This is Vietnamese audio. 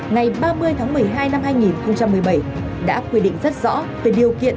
ngày ba mươi tháng một mươi hai năm hai nghìn một mươi bảy đã quy định rất rõ về điều kiện